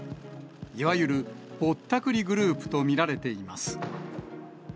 いわゆる、ぼったくりグループと見られています。